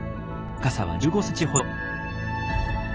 高さは１５ｃｍほど。